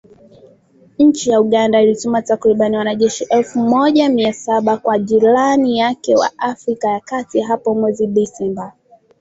Nchi ya Uganda ilituma takribani wanajeshi elfu moja mia saba kwa jirani yake wa Afrika ya kati hapo mwezi Disemba